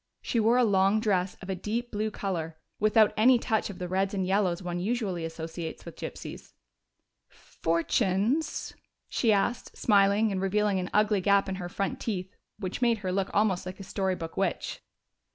She wore a long dress of a deep blue color, without any touch of the reds and yellows one usually associates with gypsies. "Fortunes?" she asked, smiling, and revealing an ugly gap in her front teeth, which made her look almost like a story book witch.